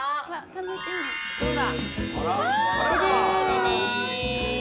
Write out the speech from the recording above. どうだ。